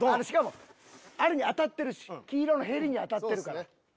しかもあれに当たってるし黄色のへりに当たってるから。